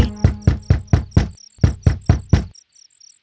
kemudian pada suatu malam yang penuh badai